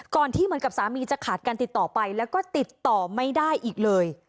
ที่เหมือนกับสามีจะขาดการติดต่อไปแล้วก็ติดต่อไม่ได้อีกเลย